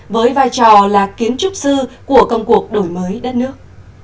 với vai trò là kiến trúc sư của công cuộc đổi mới đất nước